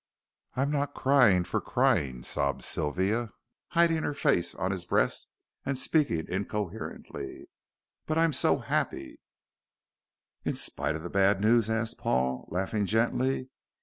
"I'm not crying for crying," sobbed Sylvia, hiding her face on his breast and speaking incoherently; "but I'm so happy " "In spite of the bad news?" asked Paul, laughing gently.